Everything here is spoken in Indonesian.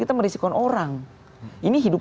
kita merisiko orang ini hidup